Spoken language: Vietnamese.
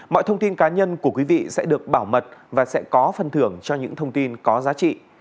mọi thông tin cá nhân của quý vị sẽ được bảo mật và sẽ có phân thưởng cho những thông tin có giá trị